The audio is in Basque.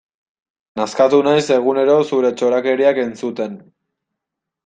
Nazkatu naiz egunero zure txorakeriak entzuten.